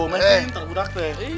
mereka pinter budak teh